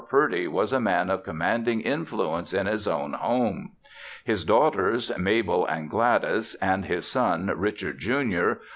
Purdy was a man of commanding influence in his own home. His daughters, Mabel and Gladys, and his son, Richard, Jr.